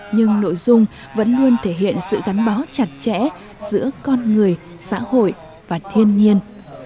nhưng nội dung vẫn luôn thể hiện sự gắn bó chặt chẽ giữa con người xã hội và thiên nhiên